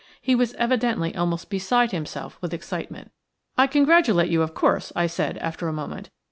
He was evidently almost beside himself with excitement. "I congratulate you, of course," I said, after a moment.